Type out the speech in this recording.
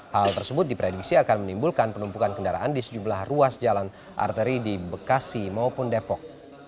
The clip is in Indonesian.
hal tersebut diprediksi akan menimbulkan penumpukan kendaraan di sejumlah ruas jalan arteri di bekasi maupun depok